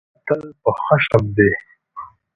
اتل په خښم دی.